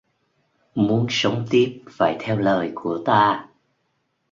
Muốn sống tiếp phải theo lời của ta